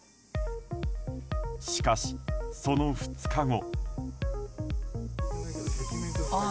しかし、その２日後。